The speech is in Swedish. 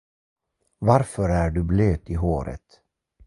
Varför är du blöt i håret?